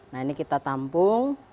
nah ini kita tampung